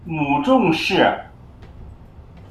母仲氏。